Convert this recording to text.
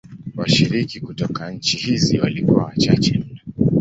Washiriki kutoka nchi hizi walikuwa wachache mno.